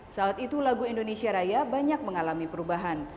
saat itu lagu indonesia raya banyak mengalami perubahan